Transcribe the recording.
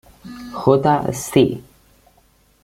J. Sci.